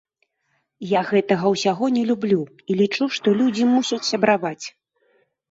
Я гэтага ўсяго не люблю і лічу, што людзі мусяць сябраваць.